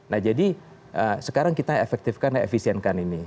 nah jadi sekarang kita efektifkan dan efisienkan ini